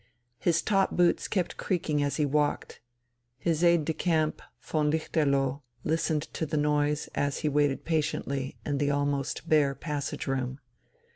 His top boots kept creaking as he walked. His aide de camp, von Lichterloh, listened to the noise, as he waited patiently in the almost bare passage room.